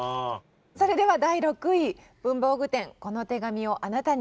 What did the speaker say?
それでは第６位「文房具店この手紙をあなたに」